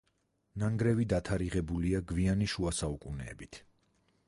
ნანგრევი დათარიღებულია გვიანი შუა საუკუნეებით.